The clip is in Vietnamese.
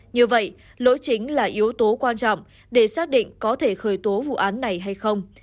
như vậy lỗi chính là yếu tố quan trọng để xác định có thể khởi tố vụ án này hay không